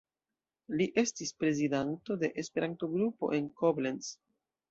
Li estis prezidanto de Esperanto-grupo en Koblenz.